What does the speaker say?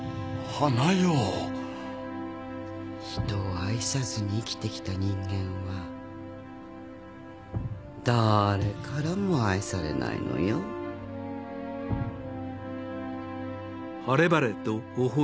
人を愛さずに生きてきた人間は誰からも愛されないのよ。は華代。